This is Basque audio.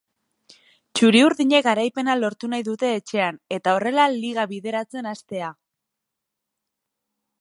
Txuri-urdinek garaipena lortu nahi dute etxean, eta horrela, liga bideratzen hastea.